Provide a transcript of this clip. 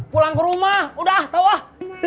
pulang ke rumah udah tau wah